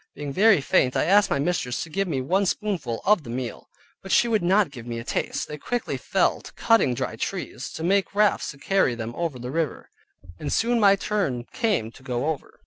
Being very faint I asked my mistress to give me one spoonful of the meal, but she would not give me a taste. They quickly fell to cutting dry trees, to make rafts to carry them over the river: and soon my turn came to go over.